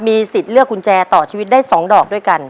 มีสิทธิ์เลือกกุญแจต่อชีวิตได้๒ดอกด้วยกัน